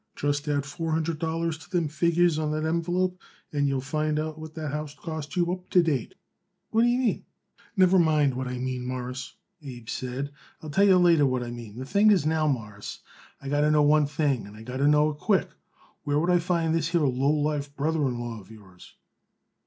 "Just add four hundred dollars to them figures on that envelope, and you'll find out what that house costs you up to date." "What do you mean?" "Never mind what I mean, Mawruss," Abe said. "I'll tell you later what I mean. The thing is now, Mawruss, I got to know one thing and I got to know it quick. Where could I find this here lowlife brother in law of yours?"